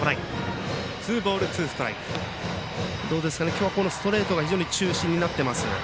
今日はこのストレートが非常に中心になっています。